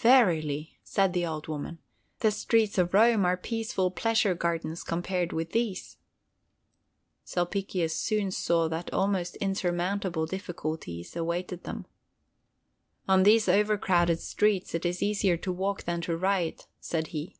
"Verily," said the old woman, "the streets of Rome are peaceful pleasure gardens compared with these!" Sulpicius soon saw that almost insurmountable difficulties awaited them. "On these overcrowded streets it is easier to walk than to ride," said he.